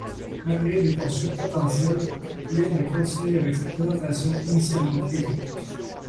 Malgré les poursuites potentielles, Lynn a continué avec sa présentation initialement prévue.